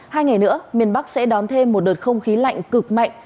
hai ngày nữa miền bắc sẽ đón thêm một đợt không khí lạnh cực mạnh